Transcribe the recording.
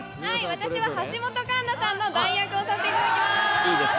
私は橋本環奈さんの代役をさせていただきます。